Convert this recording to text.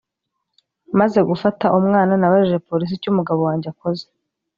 maze gufata umwana nabajije polisi icyo umugabo wanjye akoze